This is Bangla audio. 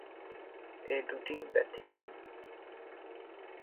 এ দুটি ব্যতিক্রম।